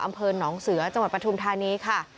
อำเภอหนองเสือจังหวัดปฐุมธานีค่ะ